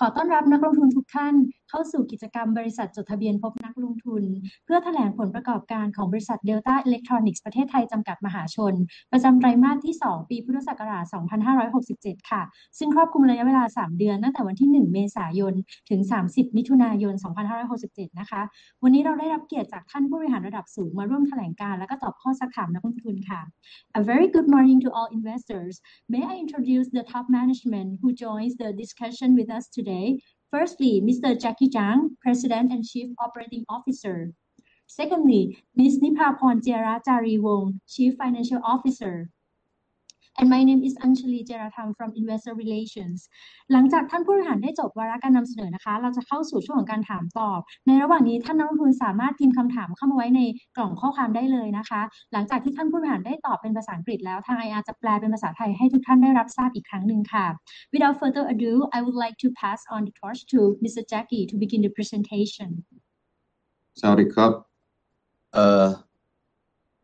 A very good morning to all investors. May I introduce the top management who joins the discussion with us today. Firstly, Mr. Jackie Chang, President and Chief Operating Officer. Secondly, Miss Nipaporn Jiarajareevong, Chief Financial Officer. My name is Anchalee Jieratham from Investor Relations. หลังจากท่านผู้บริหารได้จบวาระการนำเสนอนะคะเราจะเข้าสู่ช่วงของการถามตอบในระหว่างนี้ท่านนักลงทุนสามารถพิมพ์คำถามเข้ามาไว้ในกล่องข้อความได้เลยนะคะหลังจากที่ท่านผู้บริหารได้ตอบเป็นภาษาอังกฤษแล้วทาง IR จะแปลเป็นภาษาไทยให้ทุกท่านได้รับทราบอีกครั้งหนึ่งค่ะ Without further ado, I would like to pass on the torch to Mr. Jackie to begin the presentation. Sawasdee krub.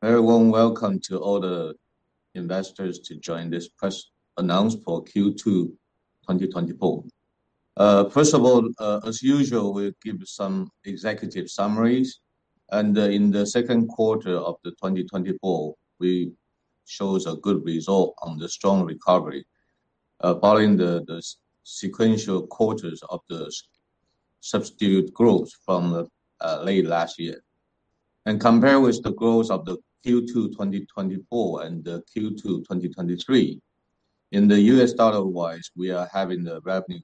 Very warm welcome to all the investors to join this press announcement for Q2 2024. First of all, as usual, we give some executive summaries. In the second quarter of the 2024, we show a good result on the strong recovery, following the sequential quarters of the substantial growth from late last year. Compare with the growth of the Q2 2024 and the Q2 2023. In the U.S. dollar wise, we are having the revenue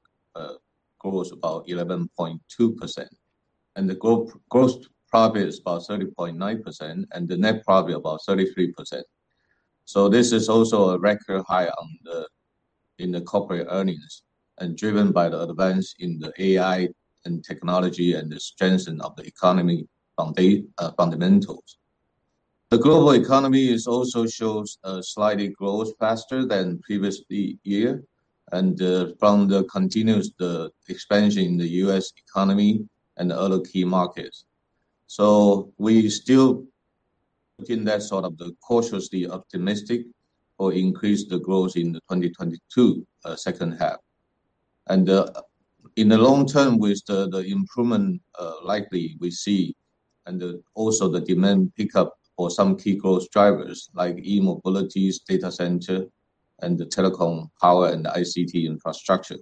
growth about 11.2%. Gross profit is about 30.9% and the net profit about 33%. This is also a record high in the corporate earnings and driven by the advance in the AI and technology and the strengthening of the economy fundamentals. The global economy is also showing slight growth faster than previous year and from the continuous expansion in the U.S. economy and other key markets. We still in that sort of cautiously optimistic for increased growth in the 2022 second half. In the long term with the improvement likely we see and also the demand pickup for some key growth drivers like E-Mobility, Data Center and the Telecom Power & ICT Infrastructure.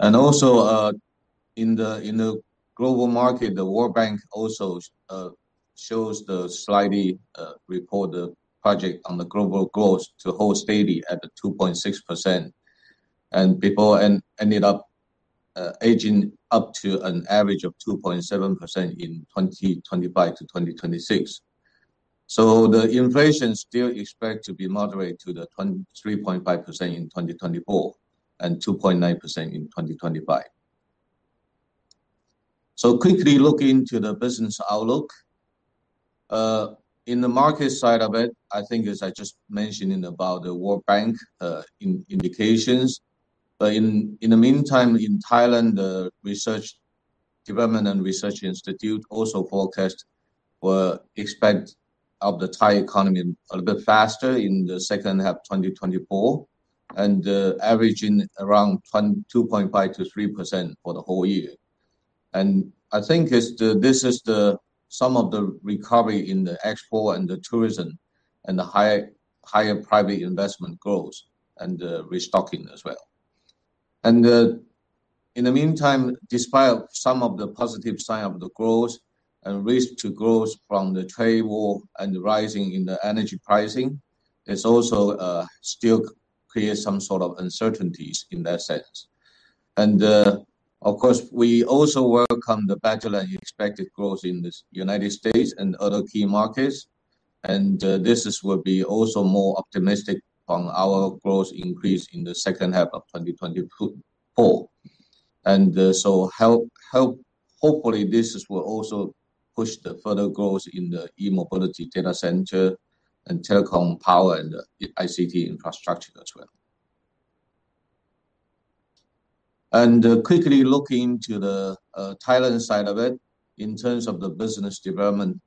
In the global market, the World Bank also shows that the report projects the global growth to hold steady at 2.6%. It is expected to end up edging up to an average of 2.7% in 2025-2026. The inflation is still expected to moderate to 3.5% in 2024 and 2.9% in 2025. Quickly look into the business outlook. In the market side of it, I think as I just mentioned about the World Bank, indications. In the meantime, in Thailand, the Thailand Development Research Institute also forecast or expect of the Thai economy a little bit faster in the second half 2024 and averaging around 2.5%-3% for the whole year. I think this is some of the recovery in the export and the tourism and the higher private investment growth and the restocking as well. In the meantime, despite some of the positive sign of the growth and risk to growth from the trade war and the rising in the energy pricing, it's also still create some sort of uncertainties in that sense. Of course, we also welcome the better than expected growth in the United States and other key markets. This will be also more optimistic on our growth increase in the second half of 2024. Hopefully this will also push the further growth in the E-Mobility, Data Center and Telecom Power & ICT Infrastructure as well. Quickly look into the Thailand side of it in terms of the business development.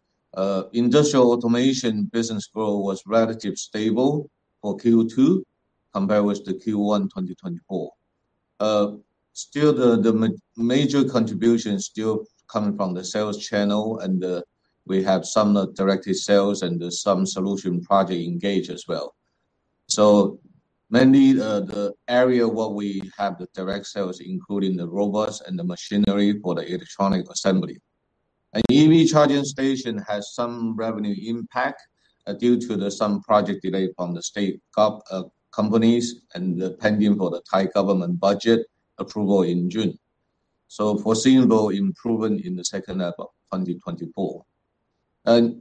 Industrial automation business growth was relatively stable for Q2 compared with the Q1 2024. Still the major contribution still coming from the sales channel and we have some direct sales and some solution project engagements as well. Mainly the area where we have the direct sales, including the robots and the machinery for the electronic assembly. EV Charging Station has some revenue impact due to some project delay from the state gov companies and the pending for the Thai government budget approval in June. Foreseeable improvement in the second half of 2024.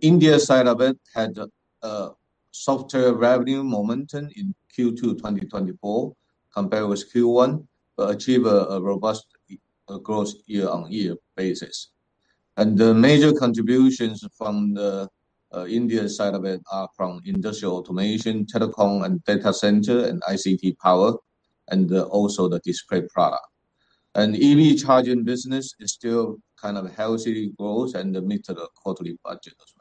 India side of it had a softer revenue momentum in Q2 2024 compared with Q1, but achieve a robust growth year-on-year basis. The major contributions from the India side of it are from Industrial Automation, Telecom and Data Center and ICT Power and also the display product. EV charging business is still kind of healthy growth and meet the quarterly budget as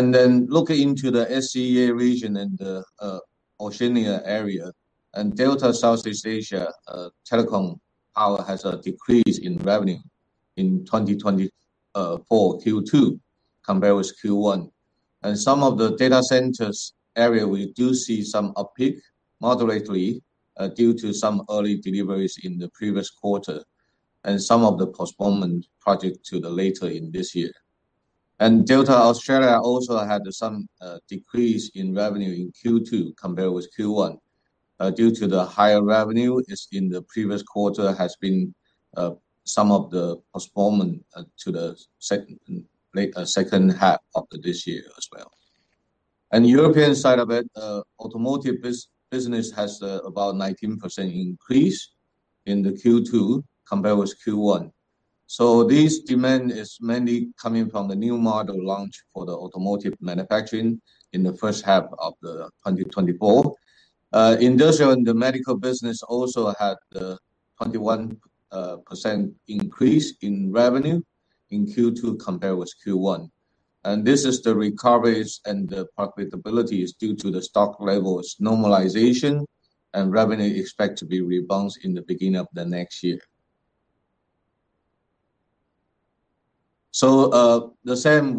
well. Looking into the SCEA region and the Oceania area, and Delta Southeast Asia, Telecom Power has a decrease in revenue in 2024 Q2 compared with Q1. Some of the data centers area, we do see some uptick moderately due to some early deliveries in the previous quarter and some of the postponement project to the later in this year. Delta Australia also had some decrease in revenue in Q2 compared with Q1. Due to the higher revenue is in the previous quarter has been some of the postponement to the second half of this year as well. European side of it, automotive business has about 19% increase in the Q2 compared with Q1. This demand is mainly coming from the new model launch for the automotive manufacturing in the first half of 2024. Industrial and the medical business also had 21% increase in revenue in Q2 compared with Q1. This is the recoveries and the profitability is due to the stock levels normalization, and revenue expect to be rebound in the beginning of the next year.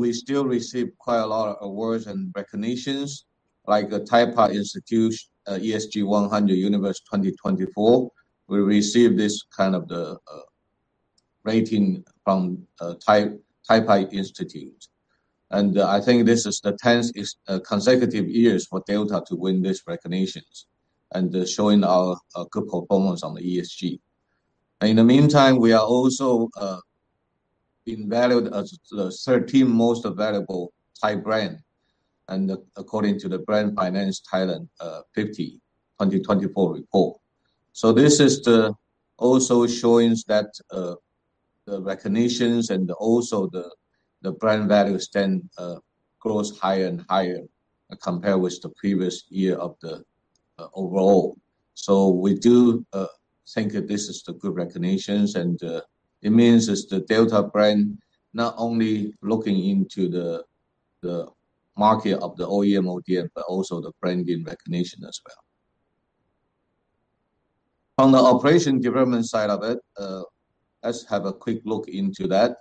We still receive quite a lot of awards and recognitions like the Taiwan Institute for Sustainable Energy ESG 100 Universe 2024. We received this kind of the rating from the Taiwan Institute for Sustainable Energy. I think this is the tenth consecutive years for Delta to win this recognitions, and showing our good performance on the ESG. In the meantime, we are also being valued as the thirteenth most valuable Thai brand and according to the Brand Finance Thailand 50 2024 report. This is also showing that the recognitions and also the brand values then grows higher and higher compared with the previous year of the overall. We do think this is the good recognitions, and it means is the Delta brand not only looking into the market of the OEM/ODM, but also the branding recognition as well. On the operation development side of it, let's have a quick look into that.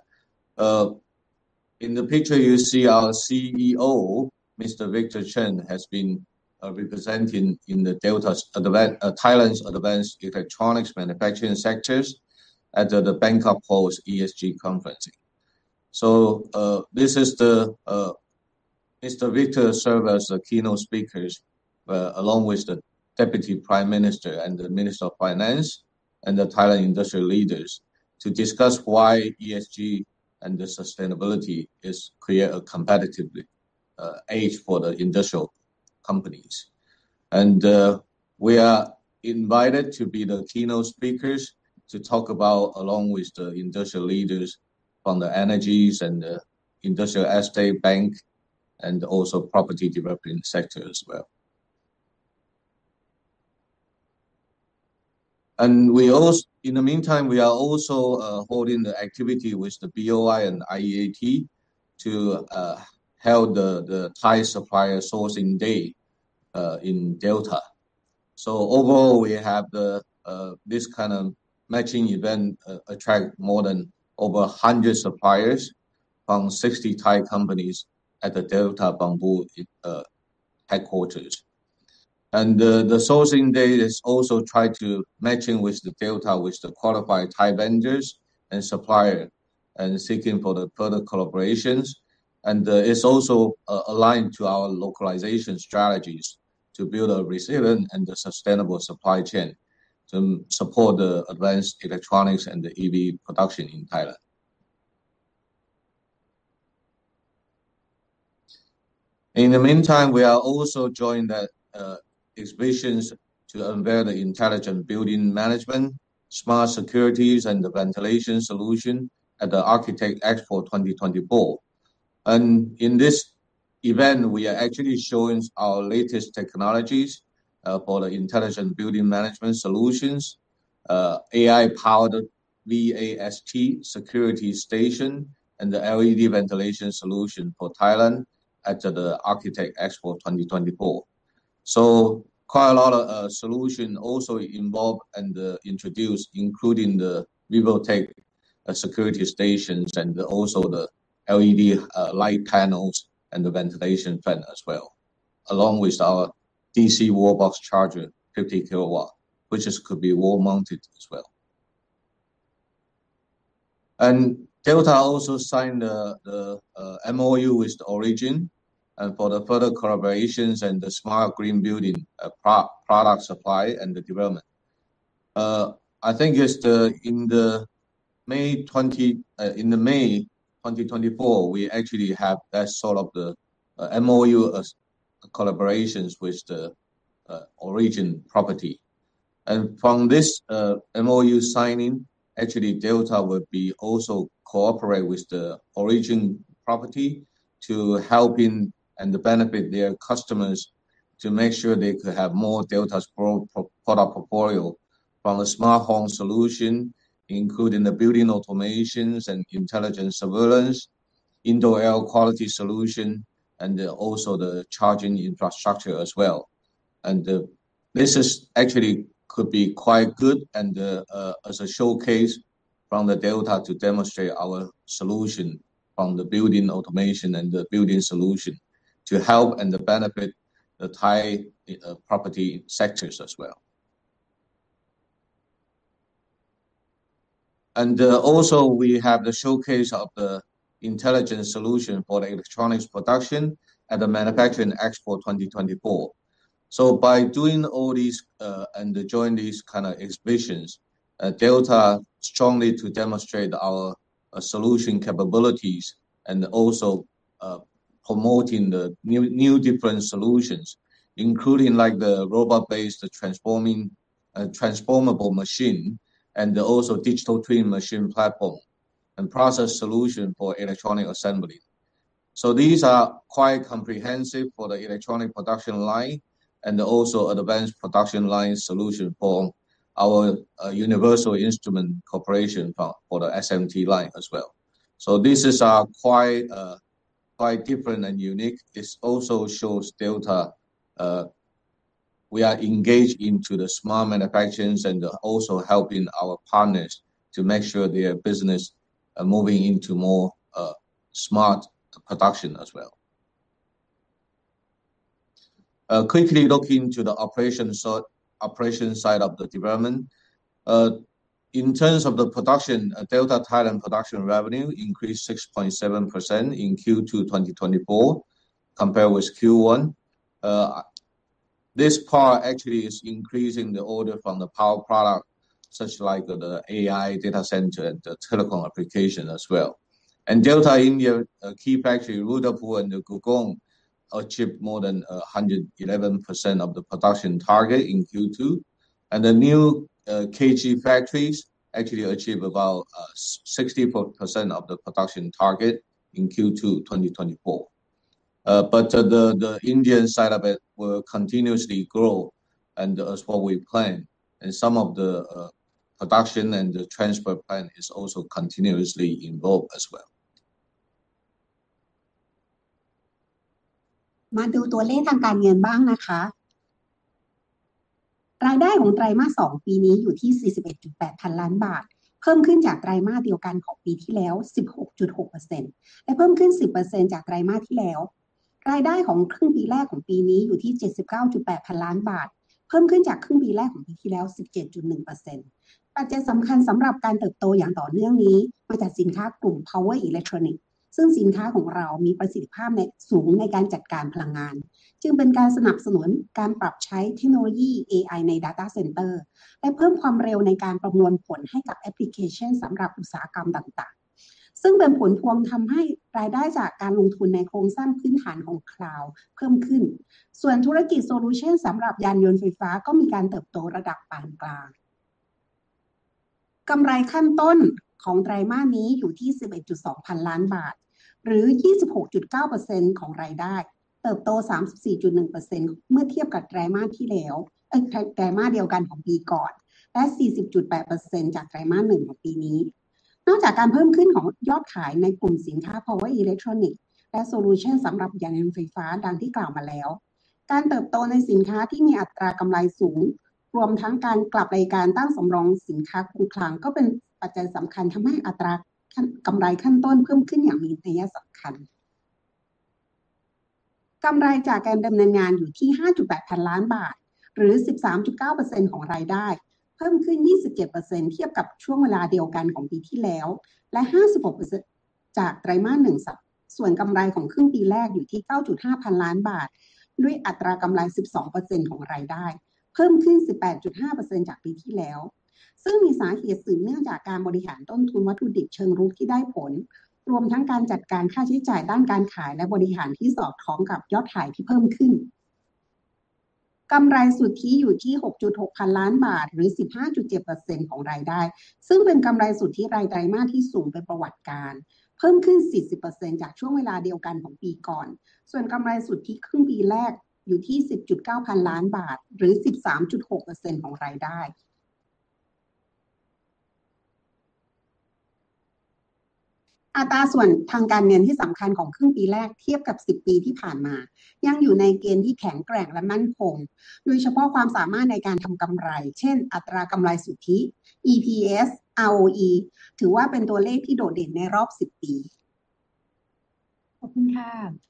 In the picture you see our CEO, Mr. Victor Cheng, has been representing in the Thailand's advanced electronics manufacturing sectors at the Bangkok Post ESG Conference. This is the Mr. Victor Cheng serve as the keynote speakers along with the Deputy Prime Minister and the Minister of Finance, and the Thai industrial leaders to discuss why ESG and the sustainability is create a competitive edge for the industrial companies. We are invited to be the keynote speakers to talk about along with the industrial leaders from the energy and the industrial estate, BOI, and also property development sector as well. In the meantime, we are also holding the activity with the BOI and IEAT to held the Delta Sourcing Day in Delta. Overall, we have this kind of matching event attract more than over 100 suppliers from 60 Thai companies at the Delta Bangkok headquarters. The sourcing day is also trying to match Delta with the qualified Thai vendors and supplier and seeking for the further collaborations. It's also aligned to our localization strategies to build a resilient and a sustainable supply chain to support the advanced electronics and the EV production in Thailand. In the meantime, we are also joining the exhibitions to unveil the intelligent building management, smart securities and the ventilation solution at the Architect Expo 2024. In this event, we are actually showing our latest technologies for the intelligent building management solutions, AI-powered VAST Security Station, and the LED ventilation solution for Thailand at the Architect Expo 2024. Quite a lot of solution also involved and introduced, including the VIVOTEK Security Stations and also the LED light panels and the ventilation fan as well, along with our DC Wallbox charger 50 kW, which could be wall-mounted as well. Delta also signed the MOU with Origin for the further collaborations and the smart green building product supply and the development. I think it's in May 2024, we actually have that sort of MOU as collaborations with the Origin Property. From this, MOU signing, actually, Delta will be also cooperate with the Origin Property to helping and benefit their customers to make sure they could have more Delta's product portfolio. From the Smart Home Solution including the Building Automations and Intelligent Surveillance, Indoor Air Quality Solution and also the Charging Infrastructure as well. This is actually could be quite good and as a showcase from the Delta to demonstrate our solution from the Building Automation and the Building Solution to help and benefit the Thai property sectors as well. Also we have the showcase of the Intelligent Solution for the Electronics Production at the Manufacturing Expo 2024. By doing all these and joining these kinds of exhibitions, Delta strives to demonstrate our solution capabilities and also promoting the new different solutions including like the robot-based Reconfigurable Machine and also DIATwin Virtual Machine Development Platform and Process Solution for Electronic Assembly. These are quite comprehensive for the Electronic Production Line and also Advanced Production Line Solution for our Universal Instruments Corporation for the SMT Line as well. This is quite different and unique. This also shows Delta we are engaged into the smart manufacturing and also helping our partners to make sure their business moving into more smart production as well. Quickly look into the operation side of the development. In terms of the production, Delta Thailand production revenue increased 6.7% in Q2 2024 compared with Q1. This part actually is increasing the order from the Power Product such like the AI Data Center and Telecom Application as well. Delta India keep actually Rudrapur and Gurgaon achieve more than 111% of the production target in Q2. The new Krishnagiri Factories actually achieve about 64% of the production target in Q2 2024. The India side of it will continuously grow and as what we plan. Some of the production and the transfer plan is also continuously evolving as well. มาดูตัวเลขทางการเงินบ้างนะคะรายได้ของไตรมาสสองปีนี้อยู่ที่ 41.8 พันล้านบาทเพิ่มขึ้นจากไตรมาสเดียวกันของปีที่แล้ว 16.6% และเพิ่มขึ้น 10% จากไตรมาสที่แล้วรายได้ของครึ่งปีแรกของปีนี้อยู่ที่ 79.8 พันล้านบาทเพิ่มขึ้นจากครึ่งปีแรกของปีที่แล้ว 17.1% ปัจจัยสำคัญสำหรับการเติบโตอย่างต่อเนื่องนี้มาจากสินค้ากลุ่ม Power Electronics ซึ่งสินค้าของเรามีประสิทธิภาพสูงในการจัดการพลังงานจึงเป็นการสนับสนุนการปรับใช้เทคโนโลยี AI ใน Data Center และเพิ่มความเร็วในการประมวลผลให้กับ Application สำหรับอุตสาหกรรมต่างๆซึ่งเป็นผลพวงทำให้รายได้จากการลงทุนในโครงสร้างพื้นฐานของ Cloud เพิ่มขึ้นส่วนธุรกิจ Solution สำหรับยานยนต์ไฟฟ้าก็มีการเติบโตระดับปานกลางกำไรขั้นต้นของไตรมาสนี้อยู่ที่ 11.2 พันล้านบาทหรือ 26.9% ของรายได้เติบโต 34.1% เมื่อเทียบกับไตรมาสเดียวกันของปีก่อนและ 40.8% จากไตรมาสหนึ่งของปีนี้นอกจากการเพิ่มขึ้นของยอดขายในกลุ่มสินค้า Power Electronics และ Solution สำหรับยานยนต์ไฟฟ้าดังที่กล่าวมาแล้วการเติบโตในสินค้าที่มีอัตรากำไรสูงรวมทั้งการกลับรายการตั้งสำรองสินค้าคงคลังก็เป็นปัจจัยสำคัญทำให้อัตรากำไรขั้นต้นเพิ่มขึ้นอย่างมีนัยสำคัญกำไรจากการดำเนินงานอยู่ที่ 5.8 พันล้านบาทหรือ 13.9% ของรายได้เพิ่มขึ้น 27% เทียบกับช่วงเวลาเดียวกันของปีที่แล้วและ 56% จากไตรมาสหนึ่งส่วนกำไรของครึ่งปีแรกอยู่ที่ 9.5 พันล้านบาทด้วยอัตรากำไร 12% ของรายได้เพิ่มขึ้น 18.5% จากปีที่แล้วซึ่งมีสาเหตุสืบเนื่องจากการบริหารต้นทุนวัตถุดิบเชิงรุกที่ได้ผลรวมทั้งการจัดการค่าใช้จ่ายด้านการขายและบริหารที่สอดคล้องกับยอดขายที่เพิ่มขึ้นกำไรสุทธิอยู่ที่ 6.6 พันล้านบาทหรือ 15.7% ของรายได้ซึ่งเป็นกำไรสุทธิรายไตรมาสที่สูงเป็นประวัติการณ์เพิ่มขึ้น 40% จากช่วงเวลาเดียวกันของปีก่อนส่วนกำไรสุทธิครึ่งปีแรกอยู่ที่ 10.9 พันล้านบาทหรือ 13.6% ของรายได้อัตราส่วนทางการเงินที่สำคัญของครึ่งปีแรกเทียบกับสิบปีที่ผ่านมายังอยู่ในเกณฑ์ที่แข็งแกร่งและมั่นคงโดยเฉพาะความสามารถในการทำกำไรเช่นอัตรากำไรสุทธิ EPS ROE ถือว่าเป็นตัวเลขที่โดดเด่นในรอบสิบปีขอบคุณค่ะขณะนี้ท่านผู้บริหารก็ได้เสร็จสิ้นในส่วนของวาระการนำเสนอหลักแล้วนะคะก่อนจะเข้าสู่ช่วงของการถามตอบขออนุญาตสรุปประเด็นหลักสั้นๆนิดเดียวนะคะ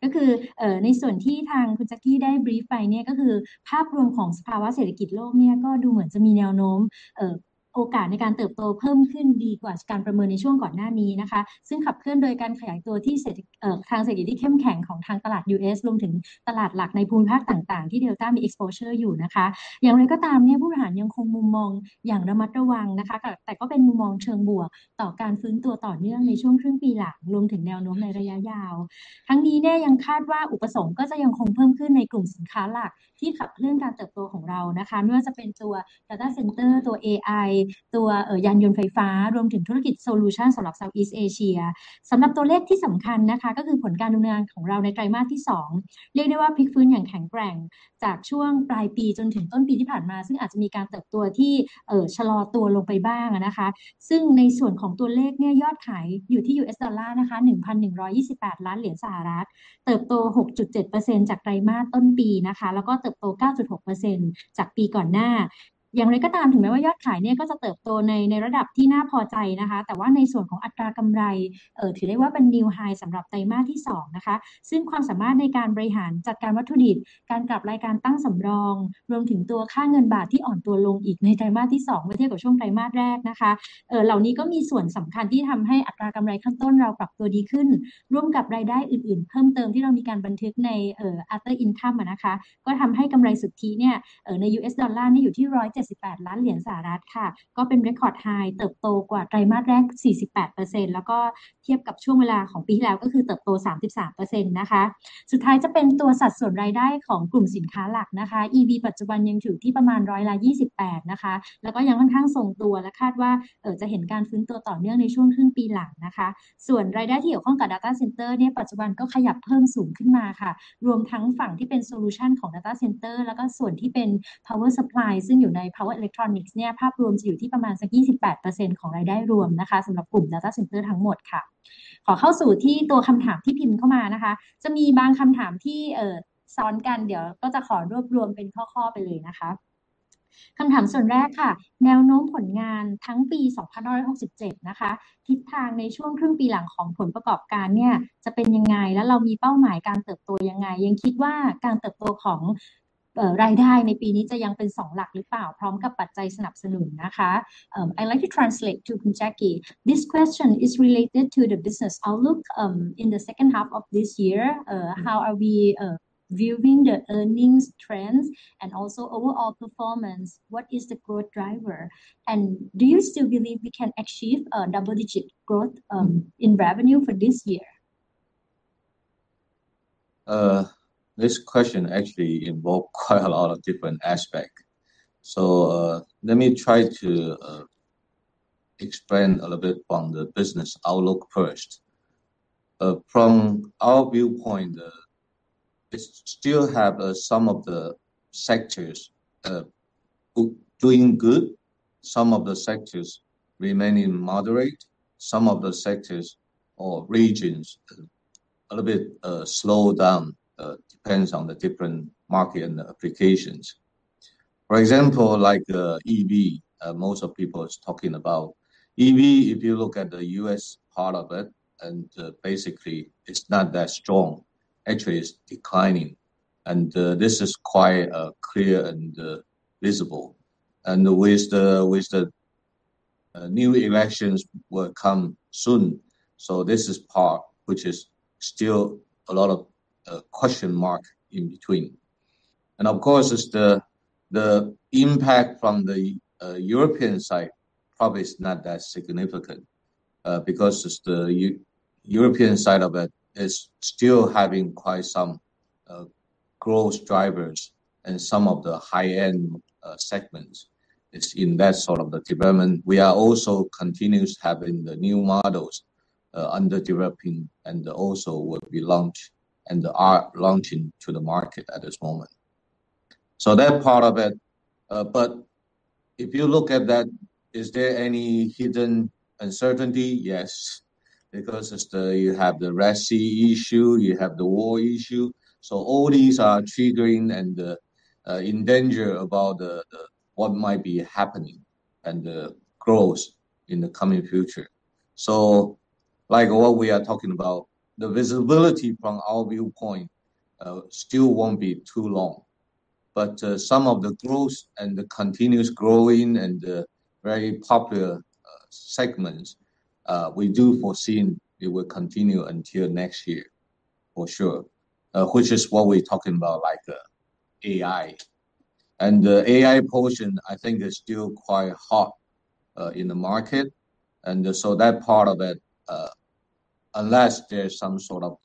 ก็คือในส่วนที่ทางคุณ Jackie ได้ brief ไปเนี่ยก็คือภาพรวมของสภาวะเศรษฐกิจโลกเนี่ยก็ดูเหมือนจะมีแนวโน้มโอกาสในการเติบโตเพิ่มขึ้นดีกว่าการประเมินในช่วงก่อนหน้านี้นะคะซึ่งขับเคลื่อนโดยการขยายตัวทางเศรษฐกิจที่เข้มแข็งของทางตลาด U.S. รวมถึงตลาดหลักในภูมิภาคต่างๆที่ Delta มี exposure อยู่นะคะอย่างไรก็ตามเนี่ยผู้บริหารยังคงมุมมองอย่างระมัดระวังนะคะแต่ก็เป็นมุมมองเชิงบวกต่อการฟื้นตัวต่อเนื่องในช่วงครึ่งปีหลังรวมถึงแนวโน้มในระยะยาวทั้งนี้เนี่ยยังคาดว่าอุปสงค์ก็จะยังคงเพิ่มขึ้นในกลุ่มสินค้าหลักที่ขับเคลื่อนการเติบโตของเรานะคะไม่ว่าจะเป็นตัว Data Center ตัว AI ตัวยานยนต์ไฟฟ้ารวมถึงธุรกิจ Solution สำหรับ Southeast Asia สำหรับตัวเลขที่สำคัญนะคะก็คือผลการดำเนินงานของเราในไตรมาสที่สองเรียกได้ว่าพลิกฟื้นอย่างแข็งแกร่งจากช่วงปลายปีจนถึงต้นปีที่ผ่านมาซึ่งอาจจะมีการเติบโตที่ชะลอตัวลงไปบ้างนะคะซึ่งในส่วนของตัวเลขเนี่ยยอดขายอยู่ที่ U.S. $1,128 ล้านเหรียญสหรัฐเติบโต 6.7% จากไตรมาสต้นปีนะคะแล้วก็เติบโต 9.6% จากปีก่อนหน้าอย่างไรก็ตามถึงแม้ว่ายอดขายเนี่ยก็จะเติบโตในระดับที่น่าพอใจนะคะแต่ว่าในส่วนของอัตรากำไรถือได้ว่าเป็น New High สำหรับไตรมาสที่สองนะคะซึ่งความสามารถในการบริหารจัดการวัตถุดิบการปรับรายการตั้งสำรองรวมถึงตัวค่าเงินบาทที่อ่อนตัวลงอีกในไตรมาสที่สองเมื่อเทียบกับช่วงไตรมาสแรกนะคะเหล่านี้ก็มีส่วนสำคัญที่ทำให้อัตรากำไรขั้นต้นเราปรับตัวดีขึ้นร่วมกับรายได้อื่นๆเพิ่มเติมที่เรามีการบันทึกใน Other Income นะคะก็ทำให้กำไรสุทธิเนี่ยใน U.S. Dollar เนี่ยอยู่ที่ U.S. $178 ล้านเหรียญสหรัฐค่ะก็เป็น Record High เติบโตกว่าไตรมาสแรก 48% แล้วก็เทียบกับช่วงเวลาของปีที่แล้วก็คือเติบโต 33% นะคะสุดท้ายจะเป็นตัวสัดส่วนรายได้ของกลุ่มสินค้าหลักนะคะ EV ปัจจุบันยังอยู่ที่ประมาณ 28% นะคะแล้วก็ยังค่อนข้างทรงตัวและคาดว่าจะเห็นการฟื้นตัวต่อเนื่องในช่วงครึ่งปีหลังนะคะส่วนรายได้ที่เกี่ยวข้องกับ Data Center เนี่ยปัจจุบันก็ขยับเพิ่มสูงขึ้นมาค่ะรวมทั้งฝั่งที่เป็น Solution ของ Data Center แล้วก็ส่วนที่เป็น Power Supply ซึ่งอยู่ใน Power Electronics เนี่ยภาพรวมจะอยู่ที่ประมาณสัก 28% ของรายได้รวมนะคะสำหรับกลุ่ม Data Center ทั้งหมดค่ะขอเข้าสู่ตัวคำถามที่พิมพ์เข้ามานะคะจะมีบางคำถามที่ซ้อนกันเดี๋ยวก็จะขอรวบรวมเป็นข้อๆไปเลยนะคะคำถามส่วนแรกค่ะแนวโน้มผลงานทั้งปี 2567 นะคะทิศทางในช่วงครึ่งปีหลังของผลประกอบการเนี่ยจะเป็นยังไงและเรามีเป้าหมายการเติบโตยังไงยังคิดว่าการเติบโตของรายได้ในปีนี้จะยังเป็นสองหลักหรือเปล่าพร้อมกับปัจจัยสนับสนุนนะคะขอ I'd like to translate to คุณ Jackie ค่ะ This question is related to the business outlook in the second half of this year. How are we viewing the earnings trends and also overall performance? What is the growth driver? Do you still believe we can achieve double-digit growth in revenue for this year? This question actually involve quite a lot of different aspect. Let me try to explain a little bit from the business outlook first. From our viewpoint, it still have some of the sectors doing good. Some of the sectors remain in moderate. Some of the sectors or regions a little bit slow down, depends on the different market and applications. For example, like, EV most of people is talking about. EV, if you look at the U.S. part of it, and basically it's not that strong, actually it's declining. This is quite clear and visible. With the new elections will come soon. This is part which is still a lot of question mark in between. Of course, it's the impact from the European side probably is not that significant, because it's the European side of it is still having quite some growth drivers and some of the high-end segments is in that sort of the development. We are also continuously having the new models under development and also will be launched and are launching to the market at this moment. That part of it. If you look at that, is there any hidden uncertainty? Yes, because you have the Red Sea issue, you have the war issue. All these are triggering uncertainty about what might be happening and the growth in the coming future. Like what we are talking about, the visibility from our viewpoint still won't be too long. Some of the growth and the continuous growing and very popular segments we do foresee it will continue until next year for sure. Which is what we're talking about, like, AI. The AI portion I think is still quite hot in the market. That part of it, unless there's some sort of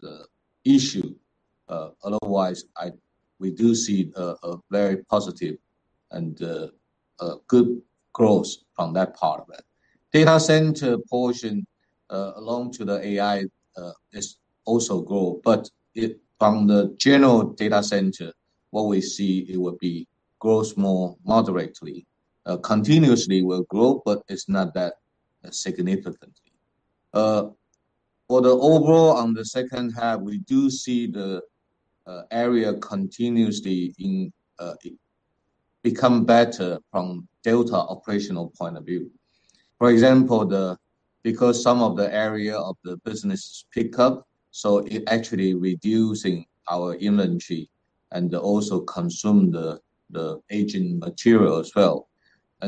issue, otherwise we do see a very positive and a good growth from that part of it. Data Center portion along with the AI is also growing, but from the general data center, what we see it will be growth more moderately, continuously will grow, but it's not that significant for the overall on the second half, we do see the area continuously become better from Delta operational point of view. For example, because some of the area of the business pick up, so it actually reducing our inventory and also consume the aging material as well.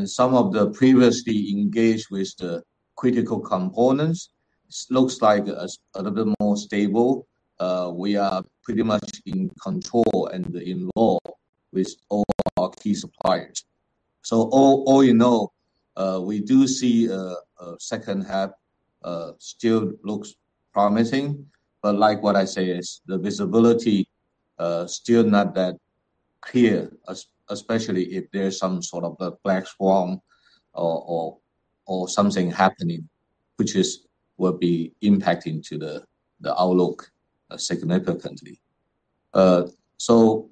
Some of the previously engaged with the critical components looks like a little bit more stable. We are pretty much in control and involved with all our key suppliers. You know, we do see a second half still looks promising, but like what I say is the visibility still not that clear, especially if there's some sort of a black swan or something happening which will be impacting to the outlook significantly. Overall,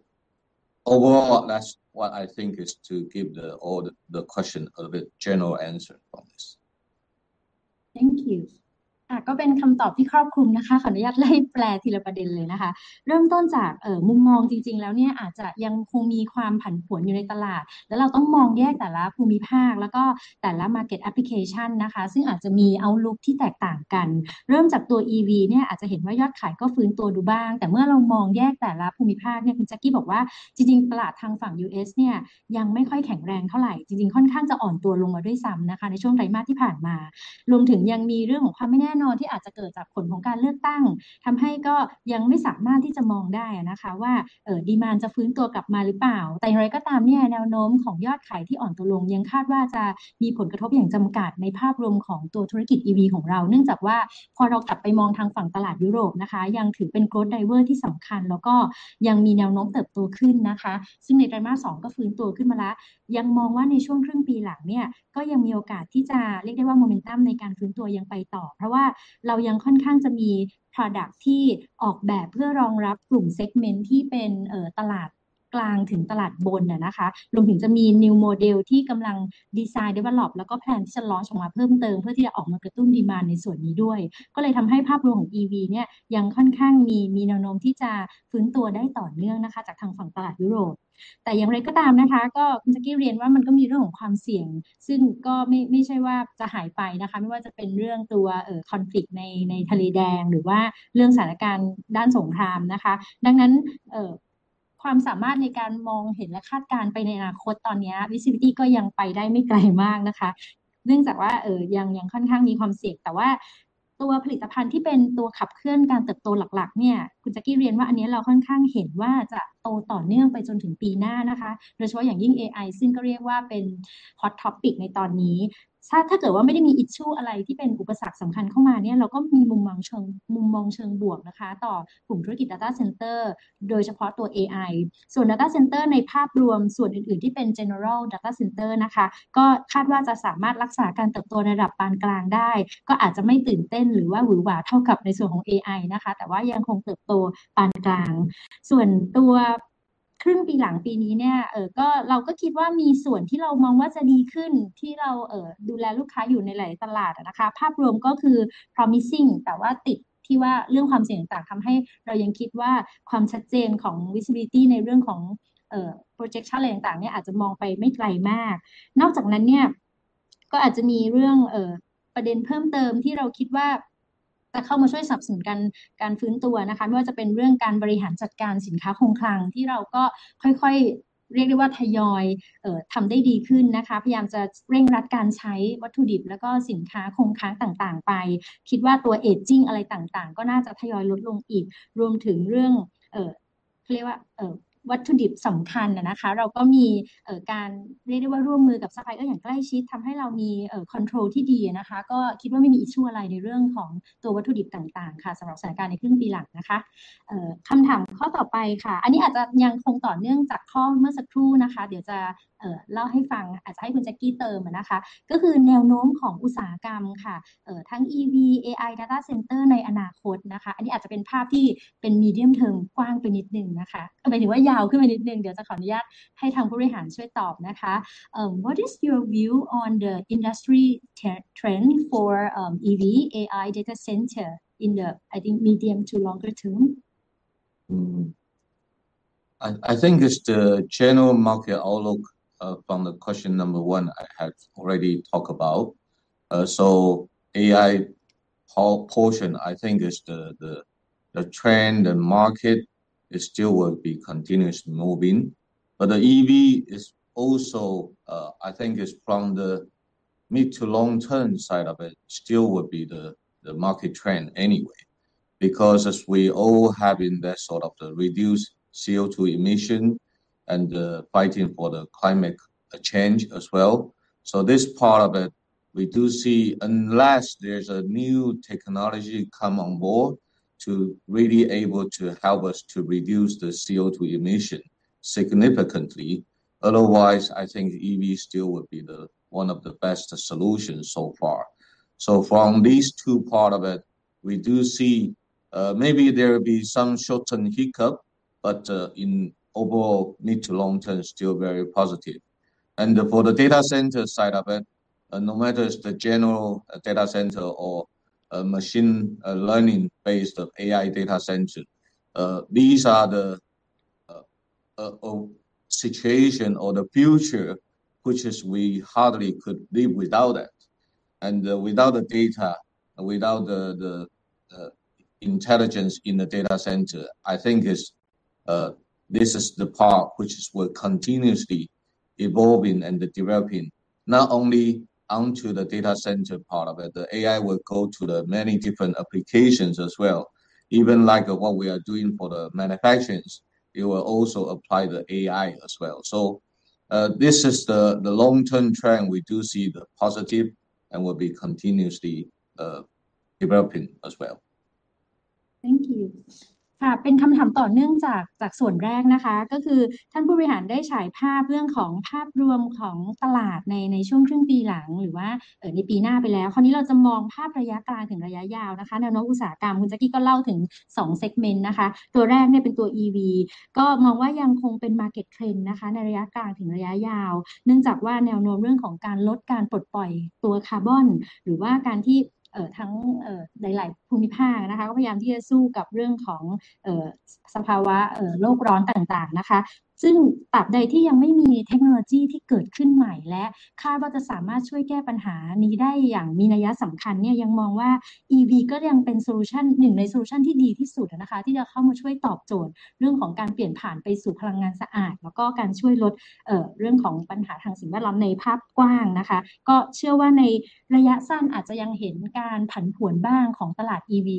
that's what I think is to give the question a bit general answer from this. Thank you. ก็เป็นคำตอบที่ครอบคลุมนะคะขออนุญาตไล่แปลทีละประเด็นเลยนะคะเริ่มต้นจากมุมมองจริงๆแล้วเนี่ยอาจจะยังคงมีความผันผวนอยู่ในตลาดแล้วเราต้องมองแยกแต่ละภูมิภาคแล้วก็แต่ละ Market Application นะคะซึ่งอาจจะมี Outlook ที่แตกต่างกันเริ่มจากตัว EV เนี่ยอาจจะเห็นว่ายอดขายก็ฟื้นตัวดูบ้างแต่เมื่อเรามองแยกแต่ละภูมิภาคเนี่ยคุณ Jackie บอกว่าจริงๆตลาดทางฝั่ง U.S. เนี่ยยังไม่ค่อยแข็งแรงเท่าไหร่จริงๆค่อนข้างจะอ่อนตัวลงมาด้วยซ้ำนะคะในช่วงไตรมาสที่ผ่านมารวมถึงยังมีเรื่องของความไม่แน่นอนที่อาจจะเกิดจากผลของการเลือกตั้งทำให้ก็ยังไม่สามารถที่จะมองได้นะคะว่า Demand จะฟื้นตัวกลับมาหรือเปล่าแต่อย่างไรก็ตามเนี่ยแนวโน้มของยอดขายที่อ่อนตัวลงยังคาดว่าจะมีผลกระทบอย่างจำกัดในภาพรวมของตัวธุรกิจ EV ของเราเนื่องจากว่าพอเรากลับไปมองทางฝั่งตลาดยุโรปนะคะยังถือเป็น Growth Driver ที่สำคัญแล้วก็ยังมีแนวโน้มเติบโตขึ้นนะคะซึ่งในไตรมาสสองก็ฟื้นตัวขึ้นมาแล้วยังมองว่าในช่วงครึ่งปีหลังเนี่ยก็ยังมีโอกาสที่จะเรียกได้ว่า Momentum ในการฟื้นตัวยังไปต่อเพราะว่าเรายังค่อนข้างจะมี Product ที่ออกแบบเพื่อรองรับกลุ่ม Segment ที่เป็นตลาดกลางถึงตลาดบนนะคะรวมถึงจะมี New Model ที่กำลัง Design Develop แล้วก็ Plan ที่จะ Launch ออกมาเพิ่มเติมเพื่อที่จะออกมากระตุ้น Demand ในส่วนนี้ด้วยก็เลยทำให้ภาพรวมของ EV เนี่ยยังค่อนข้างมีแนวโน้มที่จะฟื้นตัวได้ต่อเนื่องนะคะจากทางฝั่งตลาดยุโรปแต่อย่างไรก็ตามนะคะก็คุณ Jackie เรียนว่ามันก็มีเรื่องของความเสี่ยงซึ่งก็ไม่ใช่ว่าจะหายไปนะคะไม่ว่าจะเป็นเรื่องตัว Conflict ในทะเลแดงหรือว่าเรื่องสถานการณ์ด้านสงครามนะคะดังนั้นความสามารถในการมองเห็นและคาดการณ์ไปในอนาคตตอนเนี้ย Visibility ก็ยังไปได้ไม่ไกลมากนะคะเนื่องจากว่ายังค่อนข้างมีความเสี่ยงแต่ว่าตัวผลิตภัณฑ์ที่เป็นตัวขับเคลื่อนการเติบโตหลักๆเนี่ยคุณ Jackie เรียนว่าอันนี้เราค่อนข้างเห็นว่าจะโตต่อเนื่องไปจนถึงปีหน้านะคะโดยเฉพาะอย่างยิ่ง AI ซึ่งก็เรียกว่าเป็น Hot Topic ในตอนนี้ถ้าไม่ได้มี Issue อะไรที่เป็นอุปสรรคสำคัญเข้ามาเนี่ยเราก็มีมุมมองเชิงบวกนะคะต่อกลุ่มธุรกิจ Data Center โดยเฉพาะตัว AI ส่วน Data Center ในภาพรวมส่วนอื่นๆที่เป็น General Data Center นะคะก็คาดว่าจะสามารถรักษาการเติบโตในระดับปานกลางได้ก็อาจจะไม่ตื่นเต้นหรือว่าหวือหวาเท่ากับในส่วนของ AI นะคะแต่ว่ายังคงเติบโตปานกลางส่วนตัวครึ่งปีหลังปีนี้เนี่ยก็เราก็คิดว่ามีส่วนที่เรามองว่าจะดีขึ้นที่เราดูแลลูกค้าอยู่ในหลายๆตลาดนะคะภาพรวมก็คือ Promising แต่ว่าติดที่ว่าเรื่องความเสี่ยงต่างๆทำให้เรายังคิดว่าความชัดเจนของ Visibility ในเรื่องของ Projection อะไรต่างๆเนี่ยอาจจะมองไปไม่ไกลมากนอกจากนั้นเนี่ยก็อาจจะมีประเด็นเพิ่มเติมที่เราคิดว่าจะเข้ามาช่วยสนับสนุนการฟื้นตัวนะคะไม่ว่าจะเป็นเรื่องการบริหารจัดการสินค้าคงคลังที่เราก็ค่อยๆเรียกได้ว่าทยอยทำได้ดีขึ้นนะคะพยายามจะเร่งรัดการใช้วัตถุดิบแล้วก็สินค้าคงคลังต่างๆไปคิดว่าตัว Aging อะไรต่างๆก็น่าจะทยอยลดลงอีกรวมถึงเรื่องวัตถุดิบสำคัญนะคะเราก็มีการเรียกได้ว่าร่วมมือกับ Supplier อย่างใกล้ชิดทำให้เรามี Control ที่ดีนะคะก็คิดว่าไม่มี Issue อะไรในเรื่องของตัววัตถุดิบต่างๆค่ะสำหรับสถานการณ์ในครึ่งปีหลังนะคะคำถามข้อต่อไปค่ะอันนี้อาจจะยังคงต่อเนื่องจากข้อเมื่อสักครู่นะคะเดี๋ยวจะเล่าให้ฟังอาจจะให้คุณ Jackie เติมนะคะก็คือแนวโน้มของอุตสาหกรรมค่ะทั้ง EV, AI, Data Center ในอนาคตนะคะอันนี้อาจจะเป็นภาพที่เป็น Medium Term กว้างไปนิดนึงนะคะหมายถึงว่ายาวขึ้นไปนิดนึงเดี๋ยวจะขออนุญาตให้ทางผู้บริหารช่วยตอบนะคะ What is your view on the industry trend for EV, AI, Data Center in the medium to longer term? I think it's the general market outlook from the question number one I have already talked about. AI portion I think is the trend and market is still will be continuously moving, but the EV is also I think is from the mid to long term side of it still will be the market trend anyway. Because as we all have invest sort of the reduce CO2 emission and fighting for the climate change as well. This part of it, we do see unless there's a new technology come on board to really able to help us to reduce the CO2 emission significantly. Otherwise, I think EV still would be the one of the best solutions so far. From these two part of it, we do see maybe there will be some short-term hiccup, but in overall mid- to long-term still very positive. For the data center side of it, no matter is the general data center or a Machine Learning-based AI Data Center, these are the situation or the future, which is we hardly could live without it. Without the data, without the intelligence in the data center, I think this is the part which will continuously evolving and developing not only onto the data center part of it, the AI will go to the many different applications as well. Even like what we are doing for the manufacturers, it will also apply the AI as well. This is the long-term trend. We do see the positive and will be continuously developing as well. Thank you. เป็นคำถามต่อเนื่องจากส่วนแรกนะคะก็คือท่านผู้บริหารได้ฉายภาพเรื่องของภาพรวมของตลาดในช่วงครึ่งปีหลังหรือในปีหน้าไปแล้วคราวนี้เราจะมองภาพระยะกลางถึงระยะยาวนะคะแนวโน้มอุตสาหกรรมคุณ Jackie ก็เล่าถึงสอง Segment นะคะตัวแรกเนี่ยเป็นตัว EV ก็มองว่ายังคงเป็น Market Trend นะคะในระยะกลางถึงระยะยาวเนื่องจากว่าแนวโน้มเรื่องของการลดการปลดปล่อยตัวคาร์บอนซึ่งตราบใดที่ยังไม่มีเทคโนโลยีที่เกิดขึ้นใหม่และคาดว่าจะสามารถช่วยแก้ปัญหานี้ได้อย่างมีนัยสำคัญเนี่ยยังมองว่า EV ก็ยังเป็น Solution หนึ่งใน Solution ที่ดีที่สุดนะคะที่จะเข้ามาช่วยตอบโจทย์เรื่องของการเปลี่ยนผ่านไปสู่พลังงานสะอาดแล้วก็การช่วยลดเรื่องของปัญหาทางสิ่งแวดล้อมในภาพกว้างนะคะก็เชื่อว่าในระยะสั้นอาจจะยังเห็นการผันผวนบ้างของตลาด EV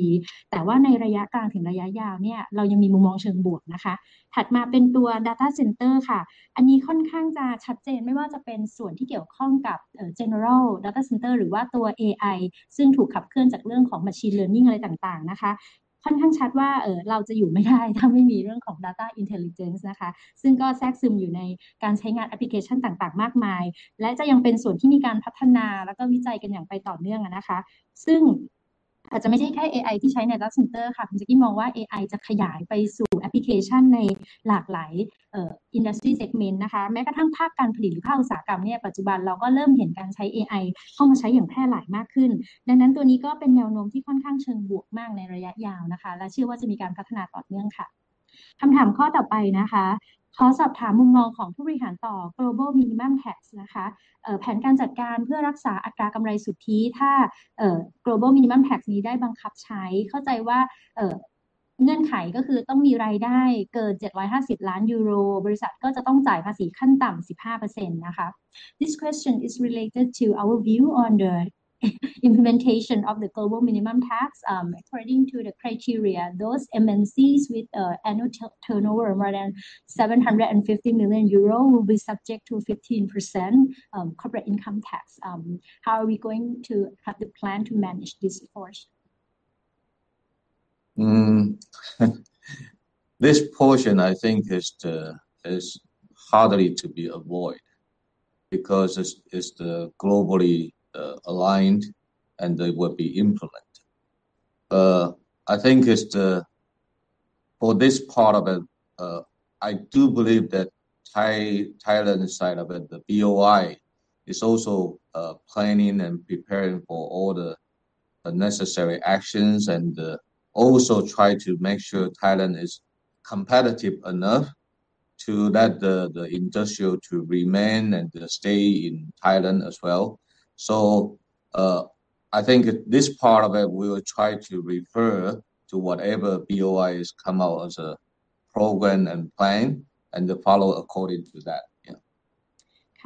แต่ว่าในระยะกลางถึงระยะยาวเนี่ยเรายังมีมุมมองเชิงบวกนะคะถัดมาเป็นตัว Data Center ค่ะอันนี้ค่อนข้างจะชัดเจนไม่ว่าจะเป็นส่วนที่เกี่ยวข้องกับ General Data Center หรือว่าตัว AI ซึ่งถูกขับเคลื่อนจากเรื่องของ Machine Learning อะไรต่างๆนะคะค่อนข้างชัดว่าเราจะอยู่ไม่ได้ถ้าไม่มีเรื่องของ Data Intelligence นะคะซึ่งก็แทรกซึมอยู่ในการใช้งาน Application ต่างๆมากมายและจะยังเป็นส่วนที่มีการพัฒนาแล้วก็วิจัยกันอย่างต่อเนื่องนะคะซึ่งอาจจะไม่ใช่แค่ AI ที่ใช้ใน Data Center ค่ะคุณ Jackie มองว่า AI จะขยายไปสู่ Application ในหลากหลาย Industry Segment นะคะแม้กระทั่งภาคการผลิตหรือภาคอุตสาหกรรมเนี่ยปัจจุบันเราก็เริ่มเห็นการใช้ AI เข้ามาใช้อย่างแพร่หลายมากขึ้นดังนั้นตัวนี้ก็เป็นแนวโน้มที่ค่อนข้างเชิงบวกมากในระยะยาวนะคะและเชื่อว่าจะมีการพัฒนาต่อเนื่องค่ะคำถามข้อต่อไปนะคะขอสอบถามมุมมองของผู้บริหารต่อ Global Minimum Tax นะคะแผนการจัดการเพื่อรักษาอัตรากำไรสุทธิถ้า Global Minimum Tax นี้ได้บังคับใช้เข้าใจว่าเงื่อนไขก็คือต้องมีรายได้เกิน €750 ล้านบริษัทก็จะต้องจ่ายภาษีขั้นต่ำ 15% นะคะ This question is related to our view on the implementation of the Global Minimum Tax. According to the criteria, those MNCs with annual turnover more than 750 million euros will be subject to 15% corporate income tax. How are we going to have the plan to manage this for us? This portion I think is hardly to be avoided because it's globally aligned and they will be implemented. For this part of it, I do believe that the Thailand side of it, the BOI is also planning and preparing for all the necessary actions and also try to make sure Thailand is competitive enough so that the industries remain and stay in Thailand as well. I think this part of it we will try to refer to whatever BOI comes out as a program and plan and follow according to that.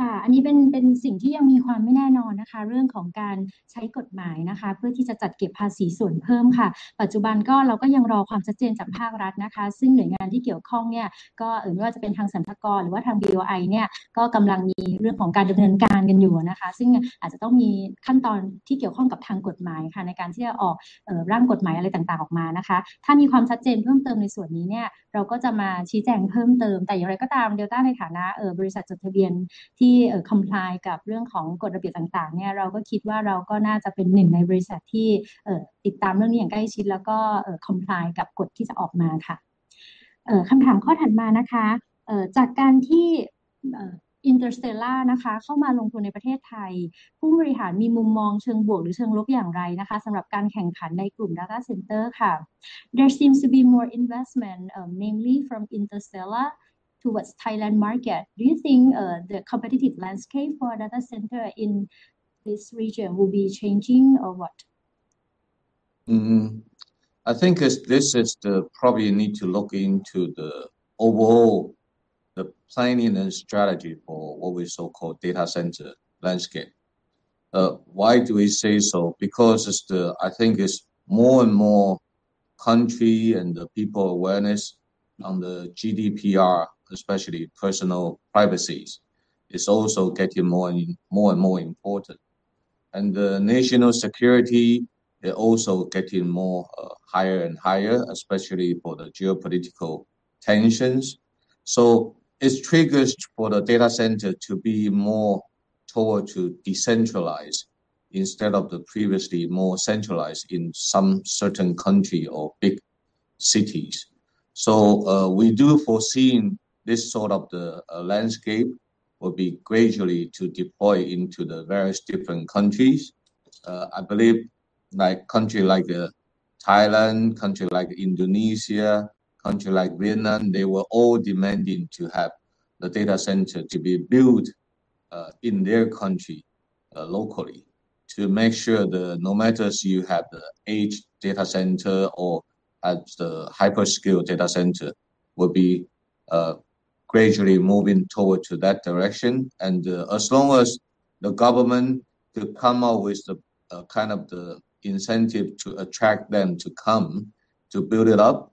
อันนี้เป็นสิ่งที่ยังมีความไม่แน่นอนนะคะเรื่องของการใช้กฎหมายนะคะเพื่อที่จะจัดเก็บภาษีส่วนเพิ่มค่ะปัจจุบันก็เรายังรอความชัดเจนจากภาครัฐนะคะซึ่งหน่วยงานที่เกี่ยวข้องเนี่ยก็ไม่ว่าจะเป็นทางสรรพากรหรือว่าทาง BOI เนี่ยก็กำลังมีเรื่องของการดำเนินการกันอยู่นะคะซึ่งอาจจะต้องมีขั้นตอนที่เกี่ยวข้องกับทางกฎหมายค่ะในการที่จะออกร่างกฎหมายอะไรต่างๆออกมานะคะถ้ามีความชัดเจนเพิ่มเติมในส่วนนี้เนี่ยเราก็จะมาชี้แจงเพิ่มเติมแต่อย่างไรก็ตาม Delta ในฐานะบริษัทจดทะเบียนที่ comply กับเรื่องของกฎระเบียบต่างๆเนี่ยเราก็คิดว่าเราก็น่าจะเป็นหนึ่งในบริษัทที่ติดตามเรื่องนี้อย่างใกล้ชิดแล้วก็ comply กับกฎที่จะออกมาค่ะคำถามข้อถัดมานะคะจากการที่ hyperscaler นะคะเข้ามาลงทุนในประเทศไทยผู้บริหารมีมุมมองเชิงบวกหรือเชิงลบอย่างไรนะคะสำหรับการแข่งขันในกลุ่ม Data Center ค่ะ There seems to be more investment, mainly from hyperscaler towards Thailand market. Do you think the competitive landscape for Data Center in this region will be changing or what? I think this is probably the need to look into the overall planning and strategy for what we so call data center landscape. Why do we say so? Because I think it's more and more country and people awareness on the GDPR, especially personal privacies. It's also getting more and more important. The national security is also getting higher and higher, especially for the geopolitical tensions. It triggers for the data center to be more toward to decentralize instead of the previously more centralized in some certain country or big cities. We do foreseeing this sort of the landscape will be gradually to deploy into the various different countries. I believe like country like Thailand, country like Indonesia, country like Vietnam, they were all demanding to have the data center to be built in their country locally to make sure that no matter you have the edge data center or at the hyperscale data center will be gradually moving toward to that direction. As long as the government to come up with the kind of the incentive to attract them to come to build it up.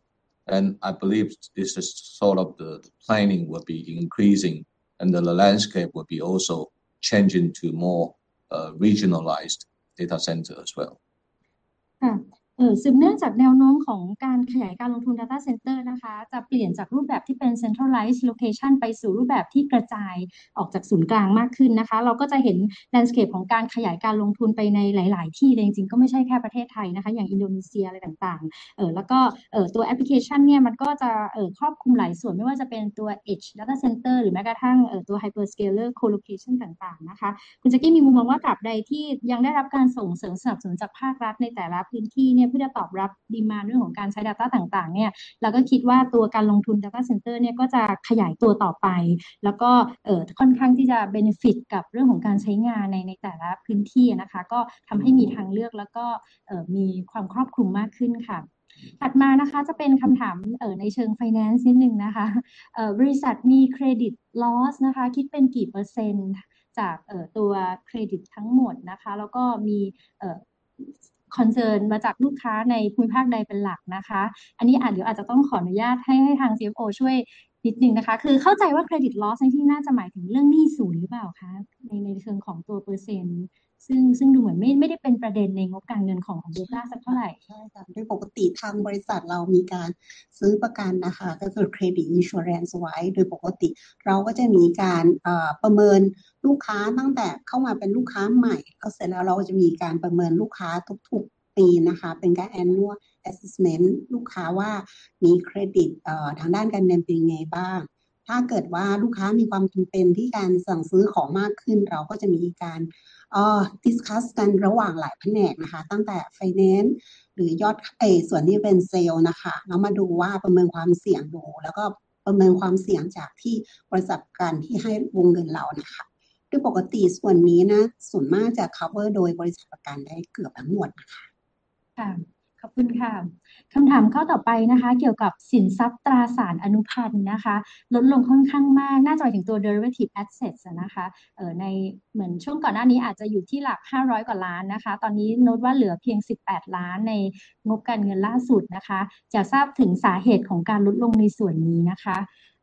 I believe this is sort of the planning will be increasing and then the landscape will be also changing to more regionalized data center as well. สืบเนื่องจากแนวโน้มของการขยายการลงทุน Data Center นะคะจะเปลี่ยนจากรูปแบบที่เป็น centralized location ไปสู่รูปแบบที่กระจายออกจากศูนย์กลางมากขึ้นนะคะเราก็จะเห็น landscape ของการขยายการลงทุนไปในหลายๆที่แต่จริงๆก็ไม่ใช่แค่ประเทศไทยนะคะอย่างอินโดนีเซียอะไรต่างๆแล้วก็ตัว Application เนี่ยมันก็จะครอบคลุมหลายส่วนไม่ว่าจะเป็นตัว Edge Data Center หรือแม้กระทั่งตัว Hyperscaler Colocation ต่างๆนะคะคุณ Jackie มีมุมมองว่าตราบใดที่ยังได้รับการส่งเสริมสนับสนุนจากภาครัฐในแต่ละพื้นที่เนี่ยเพื่อจะตอบรับ demand เรื่องของการใช้ Data ต่างๆเนี่ยเราก็คิดว่าตัวการลงทุน Data Center เนี่ยก็จะขยายตัวต่อไปแล้วก็ค่อนข้างที่จะ benefit กับเรื่องของการใช้งานในแต่ละพื้นที่อ่ะนะคะก็ทำให้มีทางเลือกแล้วก็มีความครอบคลุมมากขึ้นค่ะถัดมานะคะจะเป็นคำถามในเชิง Finance นิดนึงนะคะบริษัทมี Credit Loss นะคะ คิดเป็นกี่% จากตัว Credit ทั้งหมดนะคะแล้วก็มี concern มาจากลูกค้าในภูมิภาคใดเป็นหลักนะคะอันนี้อาจจะต้องขออนุญาตให้ทาง CFO ช่วยนิดนึงนะคะคือเข้าใจว่า Credit Loss ในที่นี้อาจจะหมายถึงเรื่องหนี้สูญหรือเปล่าคะ ในเชิงของตัว% ซึ่งดูเหมือนไม่ได้เป็นประเด็นในงบการเงินของ Delta สักเท่าไหร่ใช่ค่ะโดยปกติทางบริษัทเรามีการซื้อประกันนะคะก็คือ Credit Insurance ไว้โดยปกติเราก็จะมีการประเมินลูกค้าตั้งแต่เข้ามาเป็นลูกค้าใหม่แล้วเสร็จแล้วเราจะมีการประเมินลูกค้าทุกๆปีนะคะเป็นการ Annual Assessment ลูกค้าว่ามี Credit ทางด้านการเงินเป็นยังไงบ้างถ้าเกิดว่าลูกค้ามีความจำเป็นที่การสั่งซื้อของมากขึ้นเราก็จะมีการ Discuss กันระหว่างหลายแผนกนะคะตั้งแต่ Finance หรือยอดส่วนนี้เป็น Sales นะคะเรามาดูว่าประเมินความเสี่ยงดูแล้วก็ประเมินความเสี่ยงจากที่บริษัทประกันที่ให้วงเงินเรานะคะโดยปกติส่วนนี้นะส่วนมากจะ Cover โดยบริษัทประกันได้เกือบทั้งหมดนะคะขอบคุณค่ะคำถามข้อต่อไปนะคะเกี่ยวกับสินทรัพย์ตราสารอนุพันธ์นะคะลดลงค่อนข้างมากน่าจะหมายถึงตัว Derivative Assets อ่ะนะคะในเหมือนช่วงก่อนหน้านี้อาจจะอยู่ที่หลักห้าร้อยกว่าล้านนะคะตอนนี้โน้ตว่าเหลือเพียงสิบแปดล้านในงบการเงินล่าสุดนะคะอยากทราบถึงสาเหตุของการลดลงในส่วนนี้นะคะ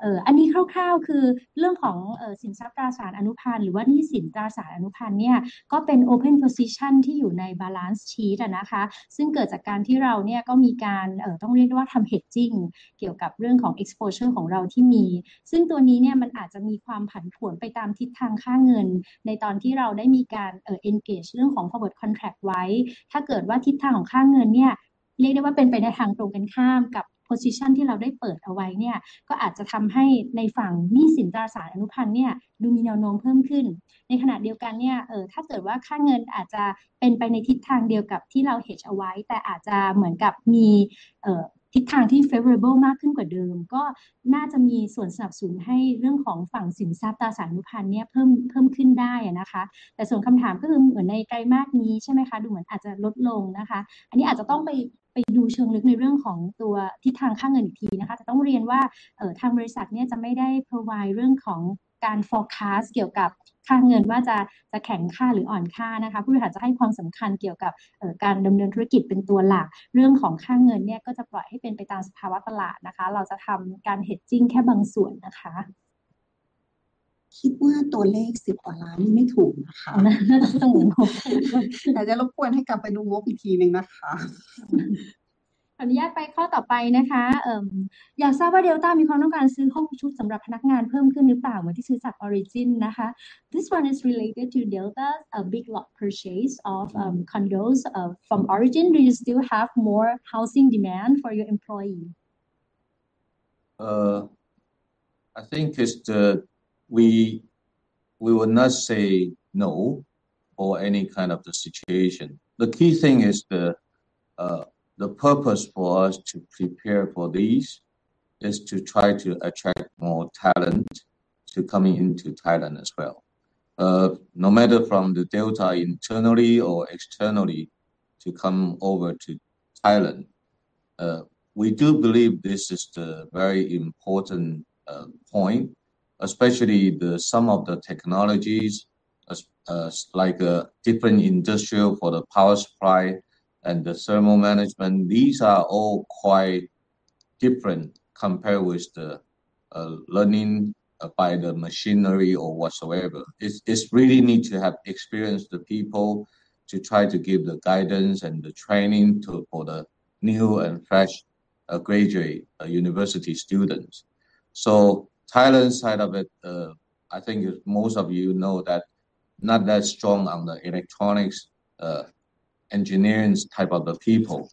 อันนี้คร่าวๆคือเรื่องของสินทรัพย์ตราสารอนุพันธ์หรือว่าหนี้สินตราสารอนุพันธ์เนี่ยก็เป็น Open Position ที่อยู่ใน Balance Sheet อ่ะนะคะซึ่งเกิดจากการที่เราเนี่ยก็มีการต้องเรียกได้ว่าทำ Hedging เกี่ยวกับเรื่องของ Exposure ของเราที่มีซึ่งตัวนี้เนี่ยมันอาจจะมีความผันผวนไปตามทิศทางค่าเงินในตอนที่เราได้มีการ Engage เรื่องของ Forward Contract ไว้ถ้าเกิดว่าทิศทางของค่าเงินเนี่ยเรียกได้ว่าเป็นไปในทางตรงกันข้ามกับ Position ที่เราได้เปิดเอาไว้เนี่ยก็อาจจะทำให้ในฝั่งหนี้สินตราสารอนุพันธ์เนี่ยดูมีแนวโน้มเพิ่มขึ้นในขณะเดียวกันเนี่ยถ้าเกิดว่าค่าเงินอาจจะเป็นไปในทิศทางเดียวกับที่เรา Hedge เอาไว้แต่อาจจะเหมือนกับมีทิศทางที่ Favorable มากขึ้นกว่าเดิมก็น่าจะมีส่วนสนับสนุนให้เรื่องของฝั่งสินทรัพย์ตราสารอนุพันธ์เนี่ยเพิ่มขึ้นได้อ่ะนะคะแต่ส่วนคำถามก็คือเหมือนในไตรมาสนี้ใช่ไหมคะดูเหมือนอาจจะลดลงนะคะอันนี้อาจจะต้องไปดูเชิงลึกในเรื่องของตัวทิศทางค่าเงินอีกทีนะคะแต่ต้องเรียนว่าทางบริษัทเนี่ยจะไม่ได้ Provide เรื่องของการ Forecast เกี่ยวกับค่าเงินว่าจะแข็งค่าหรืออ่อนค่านะคะผู้บริหารจะให้ความสำคัญเกี่ยวกับการดำเนินธุรกิจเป็นตัวหลักเรื่องของค่าเงินเนี่ยก็จะปล่อยให้เป็นไปตามสภาวะตลาดนะคะเราจะทำการ Hedging แค่บางส่วนนะคะคิดว่าตัวเลขสิบกว่าล้านนี่ไม่ถูกนะคะต้องเหมือนงบอยากจะรบกวนให้กลับไปดูงบอีกทีนึงนะคะขออนุญาตไปข้อต่อไปนะคะอยากทราบว่า Delta มีความต้องการซื้อห้องพักอาศัยสำหรับพนักงานเพิ่มขึ้นหรือเปล่าเหมือนที่ซื้อจาก Origin นะคะ This one is related to Delta's big block purchase of condos from Origin. Do you still have more housing demand for your employee? I think it's we will not say no or any kind of the situation. The key thing is the purpose for us to prepare for these is to try to attract more talent to coming into Thailand as well. No matter from the Delta internally or externally to come over to Thailand. We do believe this is the very important point, especially the some of the technologies as like different industrial for the power supply and the thermal management. These are all quite different compared with the learning by the machinery or whatsoever. It really need to have experienced the people to try to give the guidance and the training to for the new and fresh graduate university students. Thailand side of it, I think most of you know that not that strong on the electronics, engineering type of the people.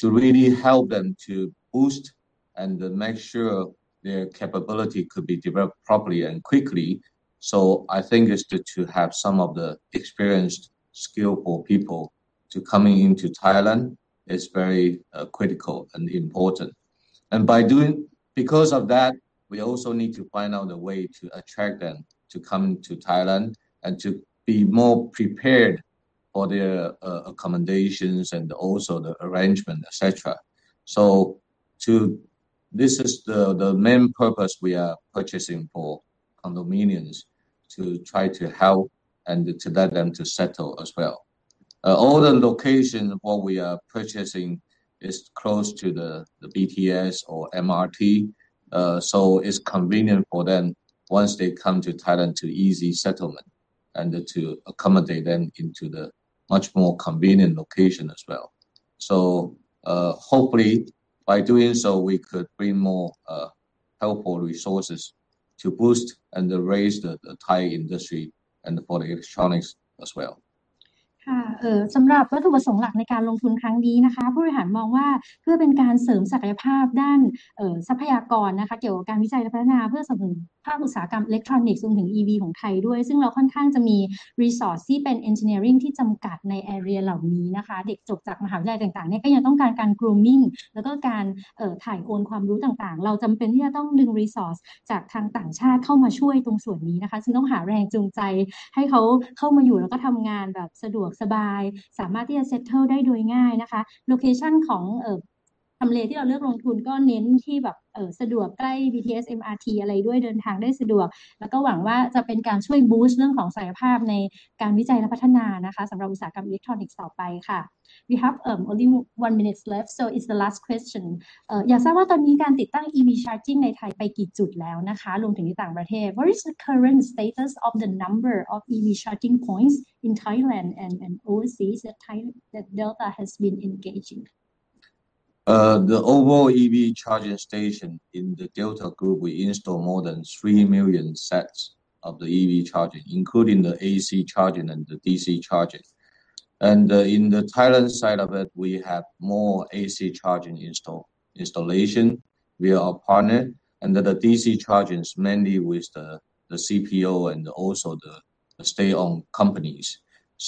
To really help them to boost and make sure their capability could be developed properly and quickly. I think is to have some of the experienced skillful people to coming into Thailand is very critical and important. Because of that, we also need to find out a way to attract them to come to Thailand and to be more prepared for their accommodations and also the arrangement, et cetera. This is the main purpose we are purchasing for condominiums to try to help and to let them to settle as well. All the location what we are purchasing is close to the BTS or MRT. It's convenient for them once they come to Thailand to easy settlement and to accommodate them into the much more convenient location as well. Hopefully by doing so, we could bring more helpful resources to boost and raise the Thai industry and for the electronics as well. สำหรับวัตถุประสงค์หลักในการลงทุนครั้งนี้นะคะผู้บริหารมองว่าเพื่อเป็นการเสริมศักยภาพด้านทรัพยากรนะคะเกี่ยวกับการวิจัยและพัฒนาเพื่อเสริมศักยภาพอุตสาหกรรม Electronics รวมถึง EV ของไทยด้วยซึ่งเราค่อนข้างจะมี Resource ที่เป็น Engineering ที่จำกัดใน Area เหล่านี้นะคะเด็กจบจากมหาวิทยาลัยต่างๆเนี่ยก็ยังต้องการการ Grooming แล้วก็การถ่ายโอนความรู้ต่างๆเราจำเป็นที่จะต้องดึง Resource จากทางต่างชาติเข้ามาช่วยตรงส่วนนี้นะคะจึงต้องหาแรงจูงใจให้เขาเข้ามาอยู่แล้วก็ทำงานแบบสะดวกสบายสามารถที่จะ Settle ได้โดยง่ายนะคะ Location ของทำเลที่เราเลือกลงทุนก็เน้นที่แบบสะดวกใกล้ BTS, MRT อะไรด้วยเดินทางได้สะดวกแล้วก็หวังว่าจะเป็นการช่วย Boost เรื่องของศักยภาพในการวิจัยและพัฒนานะคะสำหรับอุตสาหกรรม Electronics ต่อไปค่ะ We have only one minute left, so it's the last question. อยากทราบว่าตอนนี้การติดตั้ง EV Charging ในไทยไปกี่จุดแล้วนะคะรวมถึงในต่างประเทศ What is the current status of the number of EV charging points in Thailand and overseas that Delta has been engaging? The overall EV Charging Station in the Delta group, we install more than 3 million sets of the EV Charging, including the AC charging and the DC charging. In the Thailand side of it, we have more AC charging installation via our partner and the DC charging is mainly with the CPO and also the state-owned companies.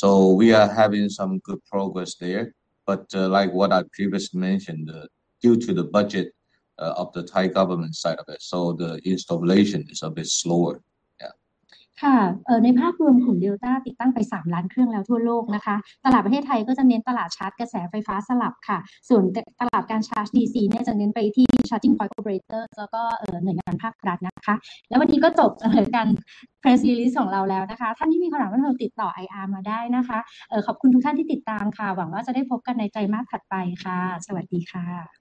We are having some good progress there. Like what I previously mentioned, due to the budget of the Thai Government side of it, the installation is a bit slower. Yeah. ในภาพรวมกลุ่ม Delta ติดตั้งไปสามล้านเครื่องแล้วทั่วโลกนะคะตลาดประเทศไทยก็จะเน้นตลาด Charge กระแสไฟฟ้าสลับค่ะส่วนตลาดการ Charge DC เนี่ยจะเน้นไปที่ Charging Point Operator แล้วก็หน่วยงานภาครัฐนะคะแล้ววันนี้ก็จบการ Press Release ของเราแล้วนะคะท่านที่มีคำถามก็สามารถติดต่อ IR มาได้นะคะขอบคุณทุกท่านที่ติดตามค่ะหวังว่าจะได้พบกันในไตรมาสถัดไปค่ะสวัสดีค่ะ